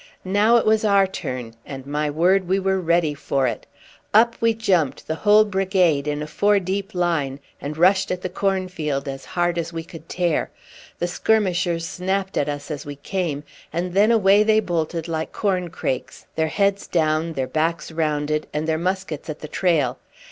Now it was our turn, and, my word, we were ready for it. Up we jumped, the whole brigade, in a four deep line, and rushed at the cornfield as hard as we could tear. The skirmishers snapped at us as we came, and then away they bolted like corncrakes, their heads down, their backs rounded, and their muskets at the trail.